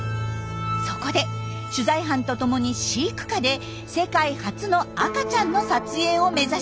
そこで取材班とともに飼育下で世界初の赤ちゃんの撮影を目指しました。